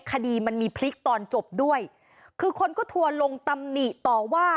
คดีมันมีพลิกตอนจบด้วยคือคนก็ทัวร์ลงตำหนิต่อว่า